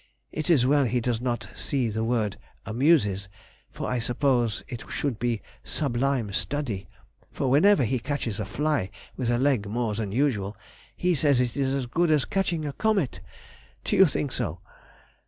It is well he does not see the word amuses, for I suppose it should be sublime study, for whenever he catches a fly with a leg more than usual, he says it is as good as catching a comet! Do you think so?